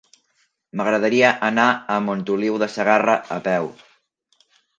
M'agradaria anar a Montoliu de Segarra a peu.